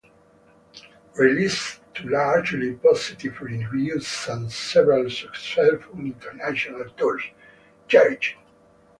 Released to largely positive reviews and several successful international tours, Charge!!